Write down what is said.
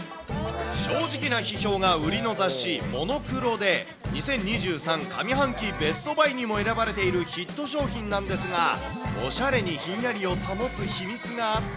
正直な批評が売りの雑誌、モノクロで、２０２３上半期ベストバイにも選ばれているヒット商品なんですが、おしゃれにひんやりを保つ秘密があって。